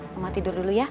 mama tidur dulu ya